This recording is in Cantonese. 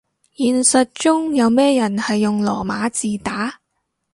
現實中有咩人係用羅馬字打